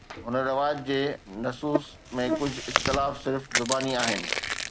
هن روايت جي نصوص ۾ ڪجهه اختلاف صرف زباني آهن